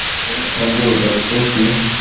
বন্ধু, দেখতো কী।